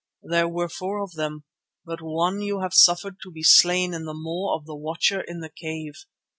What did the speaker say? There were four of them, but one you have suffered to be slain in the maw of the Watcher in the cave.